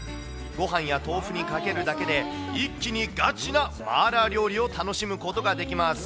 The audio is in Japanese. ごはんや豆腐にかけるだけで、一気にガチなマーラー料理を楽しむことができます。